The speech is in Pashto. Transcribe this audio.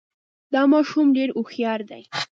دا ماشوم ډېر هوښیار دی.